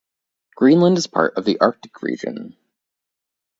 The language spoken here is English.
Greenland is part of the Arctic region.